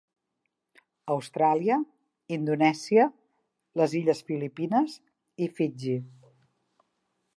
Austràlia, Indonèsia, les illes Filipines i Fiji.